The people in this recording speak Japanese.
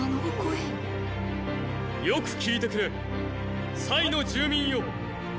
よく聞いてくれの住民よ。